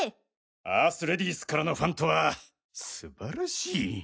アースレディースからのファンとは素晴らしい。